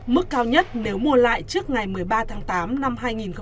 mức cao nhất nếu mua lại trước ngày một mươi ba tháng tám năm hai nghìn hai mươi